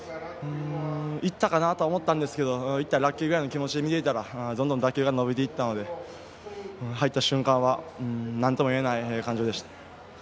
いったかなとは思ったんですけどいったらラッキーぐらいの気持ちで見ていたらどんどん伸びていったので入った瞬間はなんともいえない感じでした。